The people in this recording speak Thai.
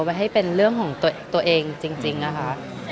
ไว้ให้เป็นเรื่องของตัวเองจริงนะคะ